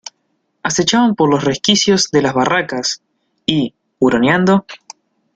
acechaban por los resquicios de las barracas, y , huroneando ,